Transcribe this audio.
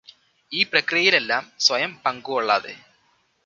ഈ പ്രക്രിയയിലെല്ലാം സ്വയം പങ്കുകൊള്ളാതെ.